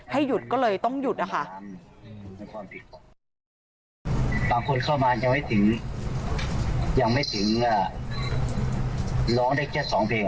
หยุดก็เลยต้องหยุดนะคะ